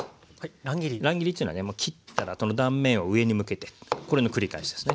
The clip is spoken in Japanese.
乱切りというのはね切ったらその断面を上に向けてこれの繰り返しですね。